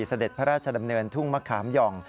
เสด็จพระราชดำเนินทุ่งมะขามหย่อง